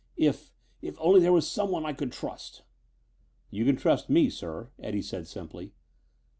If if only there was someone I could trust " "You can trust me, sir," Eddie stated simply.